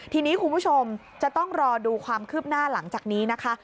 ทีนี้คุณผู้ชมจะต้องรอดูความคืบหน้าหลังจากนี้นะคะ